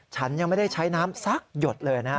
ฉันยังไม่ได้ใช้น้ำสักหยดเลยนะ